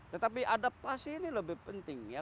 tetapi adaptasi ini lebih penting ya